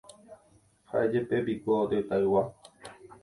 Háʼéjepepiko tetãygua.